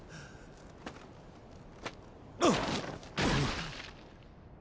あっ！